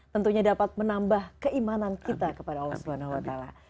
tentunya dapat menambah keimanan kita kepada allah subhanahu wa ta'ala